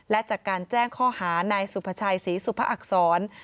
และจากการแจ้งข้อหานายสุภาชัยศรีสุภอักษร